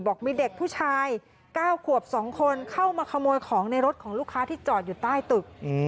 บอกมีเด็กผู้ชาย๙ขวบ๒คนเข้ามาขโมยของในรถของลูกค้าที่จอดอยู่ใต้ตึก